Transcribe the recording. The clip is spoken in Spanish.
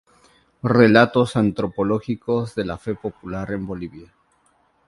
Relatos Antropológicos de la Fe Popular en Bolivia.